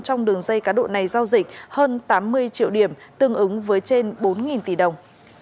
trong đường dây cá độ này giao dịch hơn tám mươi triệu điểm tương ứng với trên bốn tỷ đồng